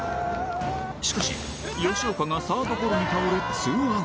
しかし吉岡がサードゴロに倒れツーアウト